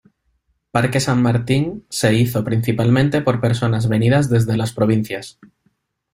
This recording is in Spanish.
Parque San Martín se hizo principalmente por personas venidas desde las provincias.